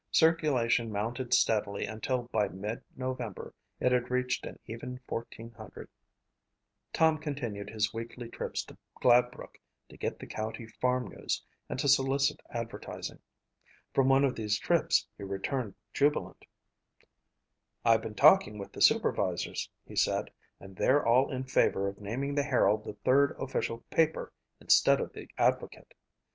Circulation mounted steadily until by mid November it had reached an even 1,400. Tom continued his weekly trips to Gladbrook to get the county farm news and to solicit advertising. From one of these trips he returned jubilant. "I've been talking with the supervisors," he said, "and they're all in favor of naming the Herald the third official paper instead of the Advocate.